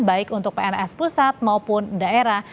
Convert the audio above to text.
baik untuk pns pusat maupun daerah